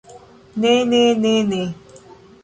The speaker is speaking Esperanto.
Ne ne ne ne.